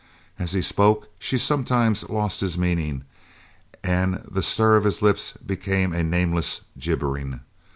As he spoke she sometimes lost his meaning and the stir of his lips became a nameless gibbering.